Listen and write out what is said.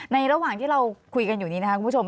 ระหว่างที่เราคุยกันอยู่นี้นะครับคุณผู้ชม